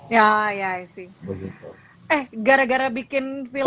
ya ya sih eh gara gara bikin film